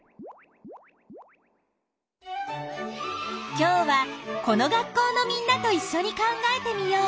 今日はこの学校のみんなといっしょに考えてみよう。